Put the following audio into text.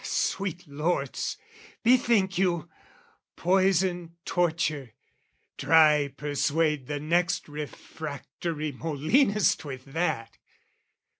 ah, sweet lords, Bethink you! poison torture, try persuade The next refractory Molinist with that!...